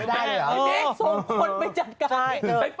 อ๋อเป็นการยานมิตรแต่ไม่ได้หรอ